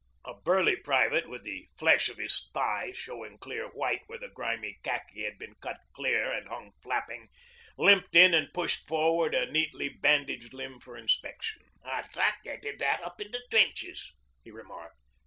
...' A burly private, with the flesh of his thigh showing clear white where the grimy khaki had been cut clear and hung flapping, limped in and pushed forward a neatly bandaged limb for inspection. 'A doctor did that up in the trenches,' he remarked.